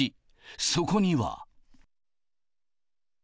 そこには。